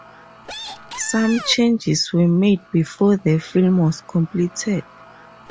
Some changes were made before the film was completed.